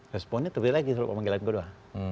responnya terbit lagi kalau pemanggilan kedua